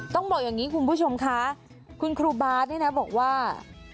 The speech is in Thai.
ต้องบอกอย่างนี้คุณผู้ชมค่ะคุณครูบาร์ดเนี่ยนะบอกว่า